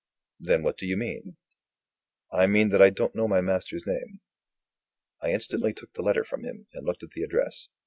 "Then what do you mean?" "I mean that I don't know my master's name." I instantly took the letter from him, and looked at the address.